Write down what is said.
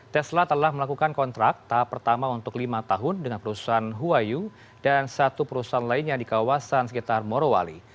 tesla telah melakukan kontrak tahap pertama untuk lima tahun dengan perusahaan huayu dan satu perusahaan lainnya di kawasan sekitar morowali